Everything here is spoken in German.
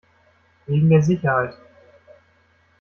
Wegen der Sicherheit.